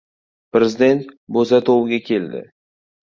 Prezident Bo‘zatovga keldi